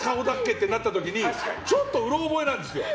ってなった時にちょっとうろ覚えなんですよ。